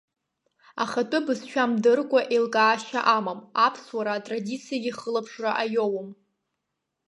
Ахатәы бызшәа мдыркәа еилкаашьа амам, аԥсуара атрадициагьы хылаԥшра аиоуам.